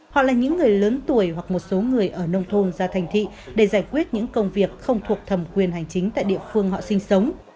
họ là những người lớn tuổi hoặc một số người ở nông thôn ra thành thị để giải quyết những công việc không thuộc thầm quyền hành chính tại địa phương họ sinh sống